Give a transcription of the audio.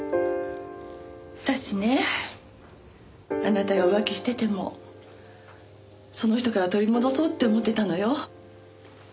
私ねあなたが浮気しててもその人から取り戻そうって思ってたのよ。